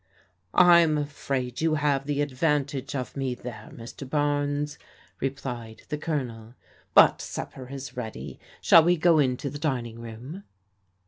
" I'm afraid you have the advantage of me there, Mr. Barnes," replied the Colonel. "But supper is ready. Shall we go into the dining room